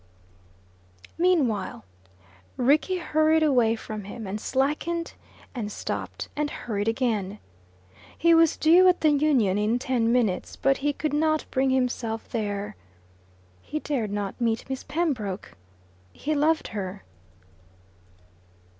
Meanwhile Rickie hurried away from him, and slackened and stopped, and hurried again. He was due at the Union in ten minutes, but he could not bring himself there. He dared not meet Miss Pembroke: he loved her.